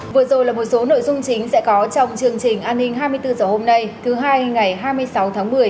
vừa rồi là một số nội dung chính sẽ có trong chương trình an ninh hai mươi bốn h hôm nay thứ hai ngày hai mươi sáu tháng một mươi